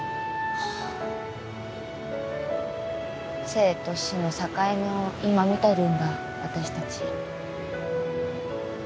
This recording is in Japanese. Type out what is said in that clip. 生と死の境目を今見てるんだ私たち。